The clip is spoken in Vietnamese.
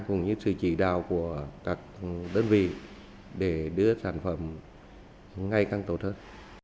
cũng như sự chỉ đạo của các đơn vị để đưa sản phẩm ngay căng tổ thất